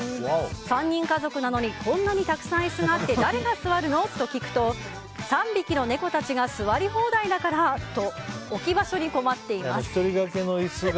３人家族なのにこんなにたくさん椅子があって誰が座るの？と聞くと３匹の猫たちが座り放題だからと。